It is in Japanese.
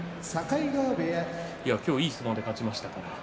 今日はいい相撲で勝ちました。